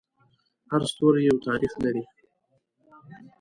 هر ستوری یو تاریخ لري.